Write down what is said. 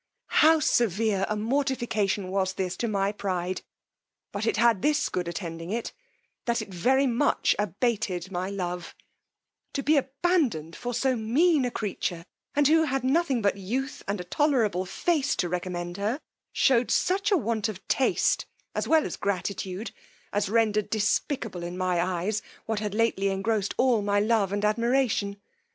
How severe a mortification was this to my pride! but it had this good attending it, that it very much abated my love: to be abandoned for so mean a creature, and who had nothing but youth and a tolerable face to recommend her, shewed such a want of taste as well as gratitude, as rendered despicable in my eyes what had lately engrossed all my love and admiration.